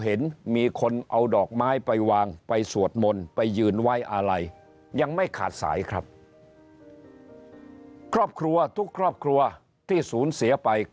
เห็นมีคนเอาดอกไม้ไปวางไปสวดมนต์ไปยืนไว้อะไรยังไม่